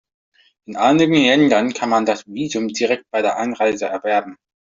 In einigen Ländern kann man das Visum direkt bei der Einreise erwerben.